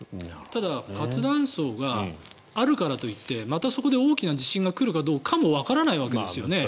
ただ活断層があるからといってまたそこで大きな地震が来るかどうかもわからないわけですよね。